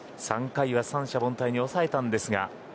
３回は三者凡退に抑えたんですが。